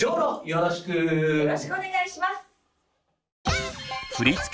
よろしくお願いします。